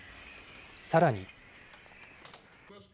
さらに。